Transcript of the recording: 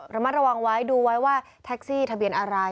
ระมัดระวังไว้ดูไว้ว่าแท็กซี่ทะเบียนอะไร